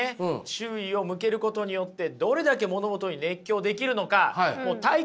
注意を向けることによってどれだけ物事に熱狂できるのか体験してもらいましょう！